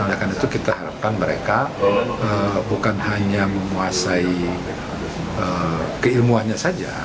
oleh karena itu kita harapkan mereka bukan hanya menguasai keilmuannya saja